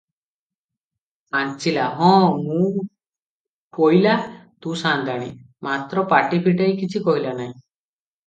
ପାଞ୍ଚିଲା, ହଁ, ମୁଁ ପୋଇଲା, ତୁ ସାଆନ୍ତାଣୀ; ମାତ୍ର ପାଟି ଫିଟାଇ କିଛି କହିଲା ନାହିଁ ।